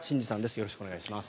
よろしくお願いします。